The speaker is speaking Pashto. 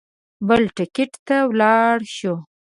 بل ټکټ ته ولاړ شو.